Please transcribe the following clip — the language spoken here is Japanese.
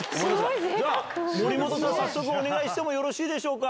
森本さん、早速お願いしてもよろしいでしょうか？